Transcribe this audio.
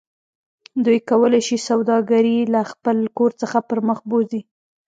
دوی کولی شي سوداګرۍ له خپل کور څخه پرمخ بوځي